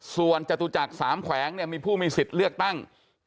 ส่วนจตุจักร๓แขวงมีผู้มีสิทธิ์เลือกตั้ง